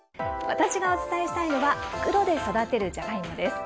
私がお伝えしたいのは袋で育てるジャガイモです。